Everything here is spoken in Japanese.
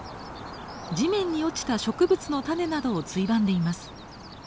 地面に落ちた植物の種などをついばんでいます。